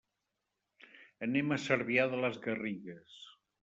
Anem a Cervià de les Garrigues.